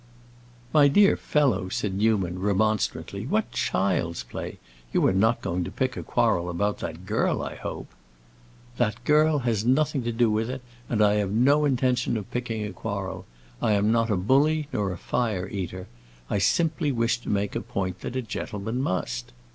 "My dear fellow," said Newman, remonstrantly, "what child's play! You are not going to pick a quarrel about that girl, I hope." "That girl has nothing to do with it, and I have no intention of picking a quarrel. I am not a bully nor a fire eater. I simply wish to make a point that a gentleman must."